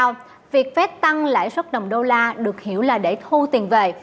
với tăng cao việc phát tăng lãi suất đồng đô la được hiểu là để thu tiền về